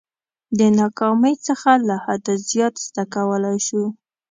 د ناکامۍ څخه له حده زیات زده کولای شو.